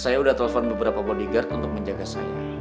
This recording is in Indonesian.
saya udah telepon beberapa bodyguard untuk menjaga saya